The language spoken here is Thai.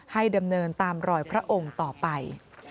ดำเนินตามรอยพระองค์ต่อไป